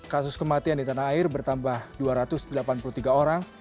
kasus kematian di tanah air bertambah dua ratus delapan puluh tiga orang